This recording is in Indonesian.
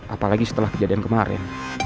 apalagi setelah kejadian kemarin